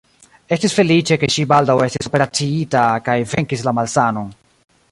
Estis feliĉe, ke ŝi baldaŭ estis operaciita kaj venkis la malsanon.